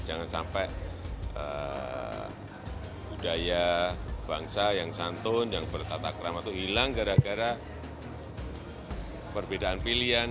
jangan sampai budaya bangsa yang santun yang bertata kerama itu hilang gara gara perbedaan pilihan